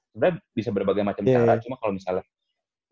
sebenarnya bisa berbagai macam cara cuma kalau misalnya